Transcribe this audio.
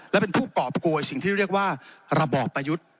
และเป็นผู้กรอบโกยสิ่งที่เรียกว่าระบอบประยุทธ์